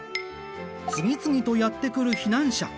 次々とやって来る避難者。